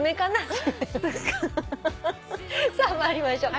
さあ参りましょう。